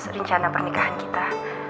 rencana pernikahan kita